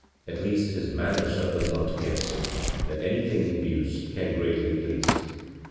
At least his manner suffers not to guess That anything he views can greatly please.